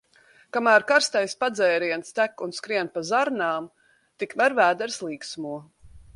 Kamēr karstais padzēriens tek un skrien pa zarnām, tikmēr vēders līksmo.